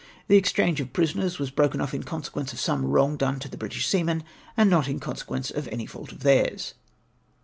The ex change of prisoners was broken off in consequence of some wrong done to the British seamen, and not in consequence of any fault of theirs."